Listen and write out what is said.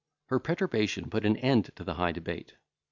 Her perturbation put an end to the high debate.